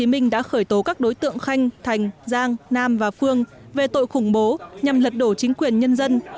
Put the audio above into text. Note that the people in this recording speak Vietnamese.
hiện công an tp hcm đã khởi tố các đối tượng khanh thành giang nam và phương về tội khủng bố nhằm lật đổ chính quyền nhân dân